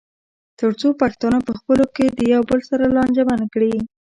تر څو پښتانه پخپلو کې د یو بل سره لانجمن کړي.